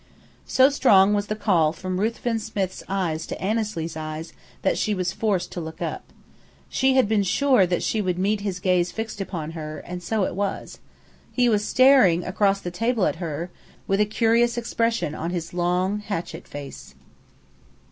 So strong was the call from Ruthven Smith's eyes to Annesley's eyes that she was forced to look up. She had been sure that she would meet his gaze fixed upon her, and so it was. He was staring across the table at her, with a curious expression on his long, hatchet face.